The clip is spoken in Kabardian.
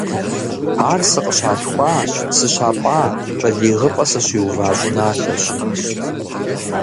Ар сыкъыщалъхуа, сыщапӏа, балигъыпӏэ сыщиува щӏыналъэщ.